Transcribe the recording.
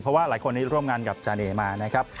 เพราะว่าหลายคนนี้ร่วมงานกับจาเนมานะครับ